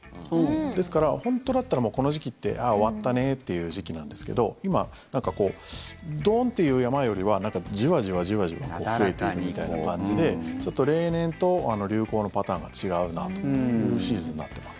ですから本当だったらもうこの時期って終わったねっていう時期なんですけど今、なんかドーンっていう山よりは何かじわじわじわじわ増えているみたいな感じでちょっと例年と流行のパターンが違うなというシーズンになってます。